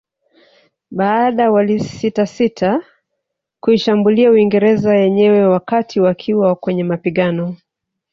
Baadae walisitasita kuishambulia Uingereza yenyewe wakati wakiwa kwenye mapigano